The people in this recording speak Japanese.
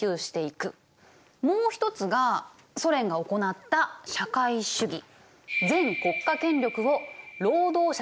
もう一つがソ連が行った社会主義。